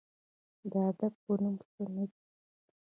د ادب په نوم څه نه دي